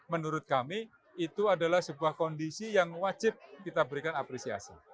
menurut kami itu adalah sebuah kondisi yang wajib kita berikan apresiasi